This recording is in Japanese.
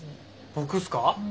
僕っすか？